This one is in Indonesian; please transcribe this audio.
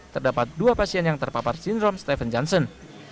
terdapat dua pasien yang terpapar sindrom stephen johnson